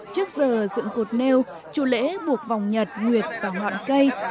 trước giờ dựng cột nêu chủ lễ buộc vòng nhật nguyệt và ngọn cây